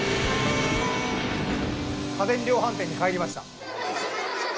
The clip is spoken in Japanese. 家電量販店に帰りました。